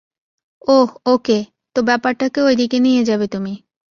ওহ, okay, তো ব্যাপারটাকে ওইদিকে নিয়ে যাবে তুমি।